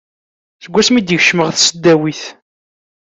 Seg wasmi i d-yekcem ɣer tesdawit.